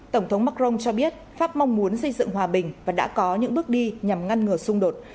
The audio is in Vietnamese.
tổng thống macron cho biết pháp mong muốn xây dựng hòa bình và đã có những bước đi nhằm ngăn ngừa xung đột